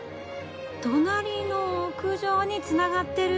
隣の屋上につながってる！